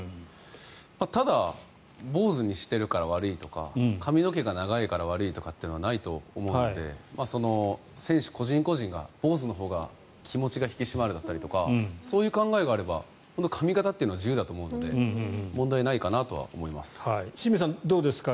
ただ坊主にしてるから悪いとか髪の毛が長いから悪いということはないと思うので選手個人個人が、坊主のほうが気持ちが引き締まるだったりとかそういう考えがあれば髪形というのは自由だと思うので清水さん、どうですか。